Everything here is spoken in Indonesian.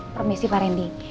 permisi pak rendy